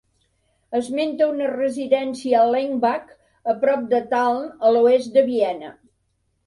Esmenta una residència a Lengbach, a prop de Tulln, a l'oest de Viena.